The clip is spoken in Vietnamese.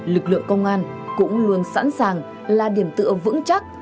lực lượng công an cũng luôn sẵn sàng là điểm tựa vững chắc